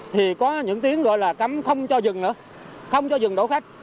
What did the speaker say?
thì có những tiếng gọi là cấm không cho dừng nữa không cho dừng đổ khách